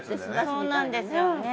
そうなんですよね。